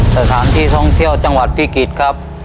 สถานที่ท่องเที่ยวจังหวัดพิจิตรครับ